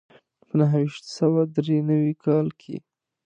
په نهه ویشت سوه دري نوي کال کې.